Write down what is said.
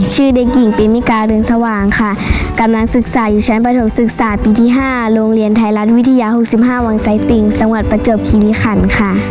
ชื่อเด็กหญิงปีมิกาเรือนสว่างค่ะกำลังศึกษาอยู่ชั้นประถมศึกษาปีที่๕โรงเรียนไทยรัฐวิทยา๖๕วังไซติงจังหวัดประจวบคิริขันค่ะ